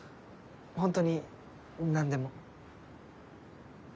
ホントに何でも。